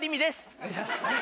お願いします